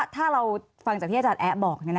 ถ้าเราฟังจากที่อาจารย์แอ๊ะบอก